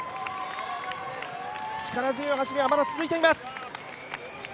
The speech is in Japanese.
力強い走りはまだ続いています。